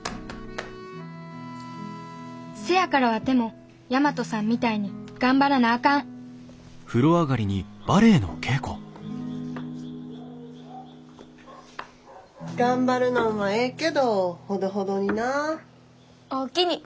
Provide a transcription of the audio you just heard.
せやからワテも大和さんみたいに頑張らなあかん頑張るのんはええけどほどほどにな。おおきに。